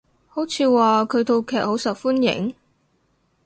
好似話佢套劇好受歡迎？